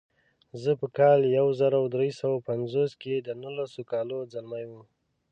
زه په کال یو زر درې سوه پنځوس کې د نولسو کالو ځلمی وم.